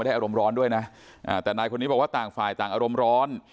อารมณ์ร้อนด้วยนะแต่นายคนนี้บอกว่าต่างฝ่ายต่างอารมณ์ร้อน